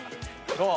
どう？